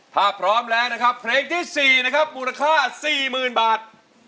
ถ้าพร้อมแล้วนะครับเพลงที่๔นะครับมูลค่า๔๐๐๐บาท